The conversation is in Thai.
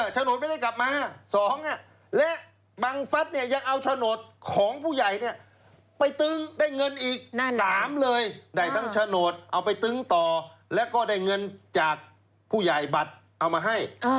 โฉนดไม่ได้กลับมา๒และบังฟัสเนี่ยยังเอาโฉนดของผู้ใหญ่ไปตึงได้เงินอีก๓เลยได้ทั้งโฉนดเอาไปตึงต่อแล้วก็ได้เงินจากผู้ใหญ่บัตรเอามาให้